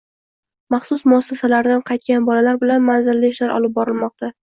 Maxsus muassasalardan qaytgan bolalar bilan manzilli ishlar olib borilmoqda